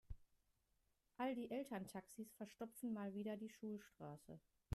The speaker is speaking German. All die Elterntaxis verstopfen mal wieder die Schulstraße.